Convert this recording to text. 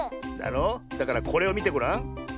だろ？だからこれをみてごらん。